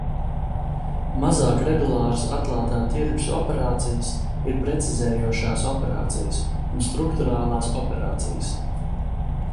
Mazāk regulāras atklātā tirgus operācijas ir precizējošās operācijas un strukturālās operācijas.